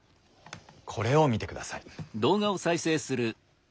これを見てください。